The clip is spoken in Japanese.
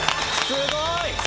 すごい！